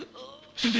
先生！